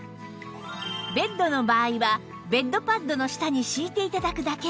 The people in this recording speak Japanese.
ベッドの場合はベッドパッドの下に敷いて頂くだけ